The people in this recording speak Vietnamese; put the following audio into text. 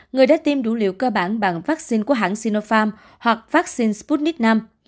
người đã tiêm đủ liều cơ bản bằng vaccine của hãng sinopharm hoặc vaccine sputnik v